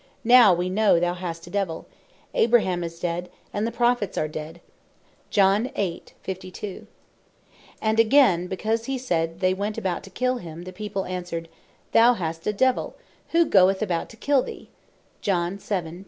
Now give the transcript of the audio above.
"Now we know thou hast a Devill; Abraham is dead, and the Prophets are dead:" And again, because he said (John 7. 20.) "They went about to kill him," the people answered, "Thou hast a Devill, who goeth about to kill thee?"